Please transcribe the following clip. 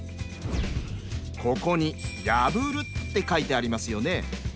ここに「破」って書いてありますよね。